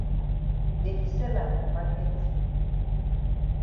Dey di sell am for maket.